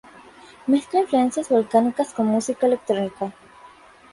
Mezcla influencias balcánicas con música electrónica.